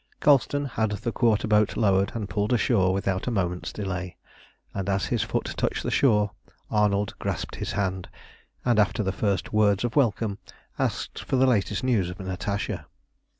Colston had the quarter boat lowered and pulled ashore without a moment's delay, and as his foot touched the shore Arnold grasped his hand, and, after the first words of welcome, asked for the latest news of Natasha.